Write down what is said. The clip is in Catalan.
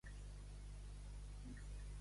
Ser un cabeçut.